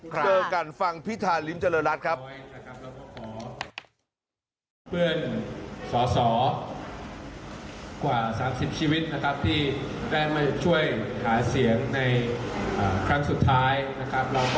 เจอกันฟังพิธาริมเจริญรัฐครับ